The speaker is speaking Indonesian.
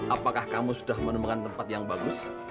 apakah kamu sudah menemukan tempat yang bagus